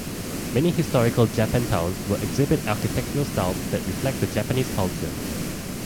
Many historical Japantowns will exhibit architectural styles that reflect the Japanese culture.